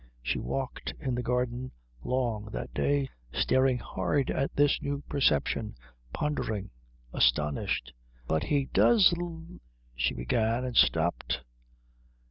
She walked in the garden long that day, staring hard at this new perception, pondering, astonished. "But he does l " she began; and stopped.